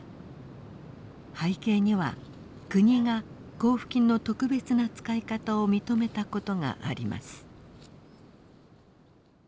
背景には国が交付金の特別な使い方を認めたことがあります。